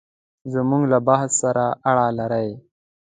زموږ له بحث سره اړه لري.